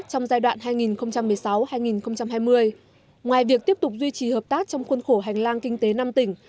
trong giai đoạn hai nghìn một mươi sáu hai nghìn hai mươi ngoài việc tiếp tục duy trì hợp tác trong khuôn khổ hành lang kinh tế năm tỉnh